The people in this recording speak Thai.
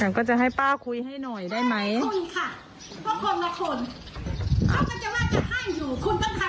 กันก็จะให้ป้าคุยให้หน่อยได้ไหมคุณค่ะเพราะคนละคนเขาก็จะว่าจะให้อยู่